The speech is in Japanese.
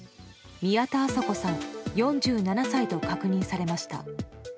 宮田麻子さん、４７歳と確認されました。